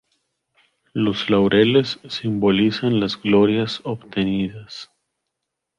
Los laureles simbolizan las glorias obtenidas